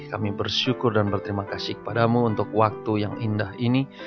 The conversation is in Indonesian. kami bersyukur dan berterima kasih kepadamu untuk waktu yang indah ini